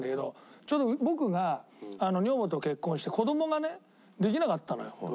ちょうど僕が女房と結婚して子どもがねできなかったのよ